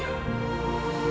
apakah kakang sancang lodaya